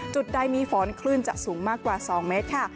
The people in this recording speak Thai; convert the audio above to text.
จุดใดมีฝนคลื่นจะสูงมากกว่า๒เมตรค่ะ